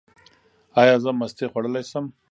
ایا زه مستې خوړلی شم؟